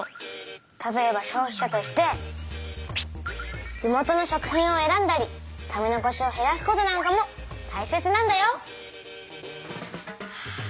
例えば消費者として地元の食品を選んだり食べ残しをへらすことなんかもたいせつなんだよ。は。